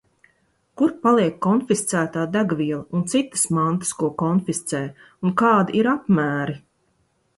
Kur paliek konfiscētā degviela un citas mantas, ko konfiscē, un kādi ir apmēri?